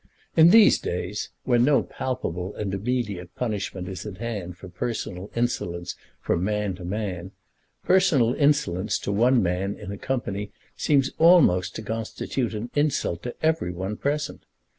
In these days, when no palpable and immediate punishment is at hand for personal insolence from man to man, personal insolence to one man in a company seems almost to constitute an insult to every one present.